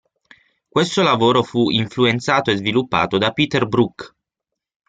Questo lavoro fu influenzato e sviluppato da Peter Brook.